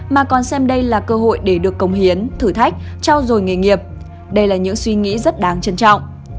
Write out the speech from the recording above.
mà còn xem đây là cơ hội để được công hiến thử thách trao dồi nghề nghiệp đây là những suy nghĩ rất đáng trân trọng